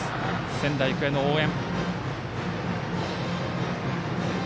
仙台育英の応援。